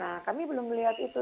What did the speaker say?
nah kami belum melihat itu